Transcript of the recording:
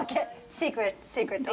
シークレット、シークレット。